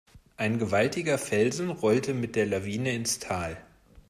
Ein gewaltiger Felsen rollte mit der Lawine ins Tal.